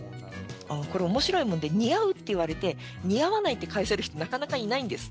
これ、おもしろいもんで似合う？って言われて似合わないって返せる人なかなかいないんです。